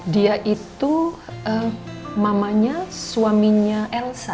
dia itu mamanya suaminya elsa